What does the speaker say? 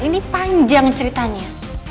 ini panjang ceritanya